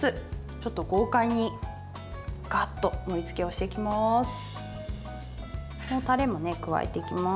ちょっと豪快にがっと盛りつけをしていきます。